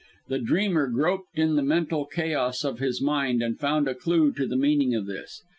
The dreamer groped in the mental chaos of his mind, and found a clue to the meaning of this.